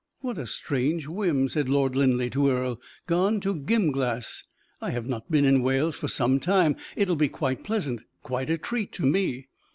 "What a strange whim," said Lord Linleigh to Earle. "Gone to Gymglas. I have not been in Wales for some time. It will be quite pleasant quite a treat to me."